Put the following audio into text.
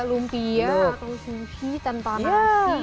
lumpia atau sushi tanpa nasi